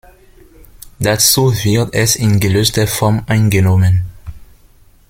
Dazu wird es in gelöster Form eingenommen.